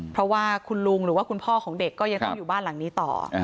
เพราะว่าคุณลุงหรือว่าคุณพ่อของเด็กก็ยังต้องอยู่บ้านหลังนี้ต่อ